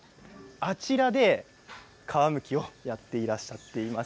あちらで皮むきをやっていらっしゃいます。